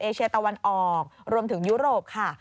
เชียตะวันออกรวมถึงยุโรปค่ะ